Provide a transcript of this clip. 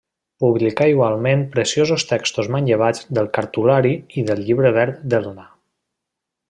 Publicà igualment preciosos textos manllevats del Cartulari i del Llibre verd d'Elna.